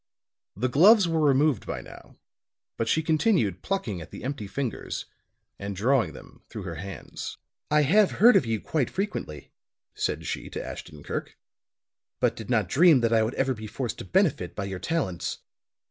The gloves were removed by now; but she continued plucking at the empty fingers and drawing them through her hands. "I have heard of you quite frequently," said she to Ashton Kirk, "but did not dream that I would ever be forced to benefit by your talents.